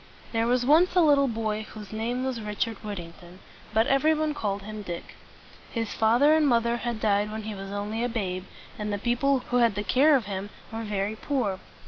There was once a little boy whose name was Richard Whit´ting ton; but everybody called him Dick. His father and mother had died when he was only a babe, and the people who had the care of him were very poor.